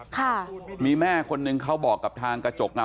ค่ะมีแม่คนหนึ่งเขาบอกกับทางกระจกเงา